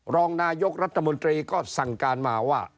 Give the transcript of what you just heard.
รองนายกรัฐมนตรีก็สั่งการมาว่า